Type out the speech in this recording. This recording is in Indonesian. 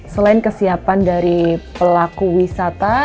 selain kesiapan dari pelaku wisata